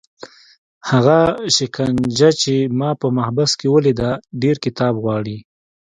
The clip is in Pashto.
هغه شکنجه چې ما په محبس کې ولیده ډېر کتاب غواړي.